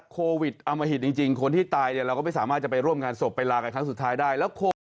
โควิดอมหิตจริงคนที่ตายเราก็ไม่สามารถจะไปร่วมการศพไปลากันครั้งสุดท้ายได้